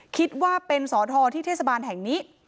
คิดว่าเป็นสอทอที่เทศบาลแห่งนี้